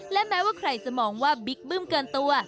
และแม้ว่าใครจะมองว่าบิ๊กบึ้มเกินตัว